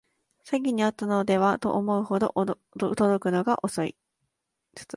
詐欺にあったのではと思うほど届くのが遅い